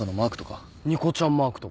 ニコちゃんマークとか？